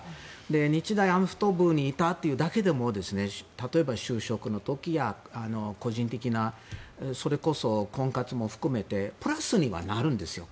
日大アメフト部にいたというだけでも例えば就職の時や個人的な、それこそ婚活も含めてプラスにはなるんですよ。